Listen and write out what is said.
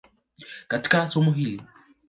katika somo hili.